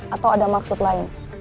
atau ada maksud lain